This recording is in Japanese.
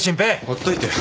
ほっといてよ。